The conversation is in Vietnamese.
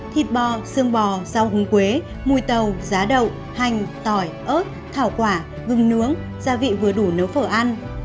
thịt bò xương bò rau hương quế mùi tàu giá đậu hành tỏi ớt thảo quả gừng nướng gia vị vừa đủ nấu phở ăn